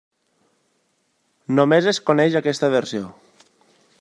Només es coneix aquesta versió.